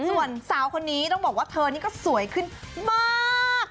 ส่วนสาวคนนี้ต้องบอกว่าเธอนี่ก็สวยขึ้นมาก